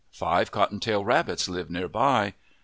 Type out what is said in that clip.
Five cotton tail rabbits lived near by.